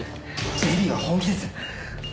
ＪＢは本気です。